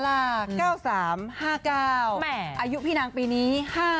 อายุพี่นางปีนี้